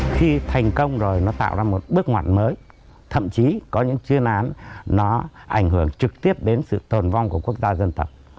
khi thành công rồi nó tạo ra một bước ngoặn mới thậm chí có những chuyên án nó ảnh hưởng trực tiếp đến sự tồn vong của quốc gia dân tộc